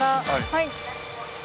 はい。